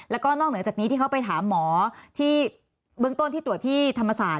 แล้วก็นอกเหนือจากนี้ที่เขาไปถามหมอที่เบื้องต้นที่ตรวจที่ธรรมศาสต